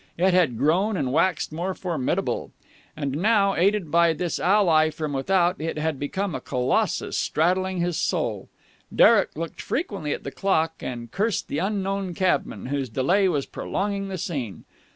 It had grown and waxed more formidable. And now, aided by this ally from without, it had become a Colossus straddling his soul. Derek looked frequently at the clock, and cursed the unknown cabman whose delay was prolonging the scene.